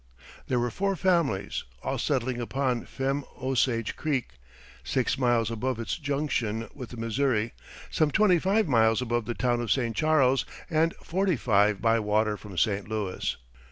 There were four families, all settling upon Femme Osage Creek, six miles above its junction with the Missouri, some twenty five miles above the town of St. Charles, and forty five by water from St. Louis.